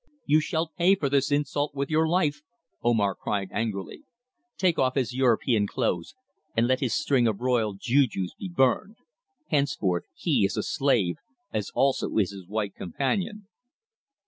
"You shall pay for this insult with your life," Omar cried angrily. "Take off his European clothes, and let his string of royal jujus be burned. Henceforth he is a slave, as also is his white companion."